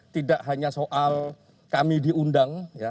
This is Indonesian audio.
tidak hanya soal kami diundang